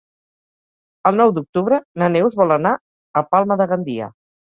El nou d'octubre na Neus vol anar a Palma de Gandia.